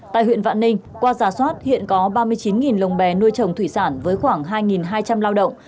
tại huyện vạn ninh qua giả soát hiện có ba mươi chín lồng bè nuôi trồng thủy sản với khoảng hai hai trăm linh lao động